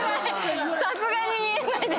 さすがに見えないです。